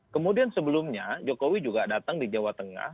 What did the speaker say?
kemudian sebelumnya jokowi juga datang di jawa tengah